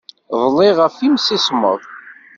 Dliɣ ɣef yimsismeḍ.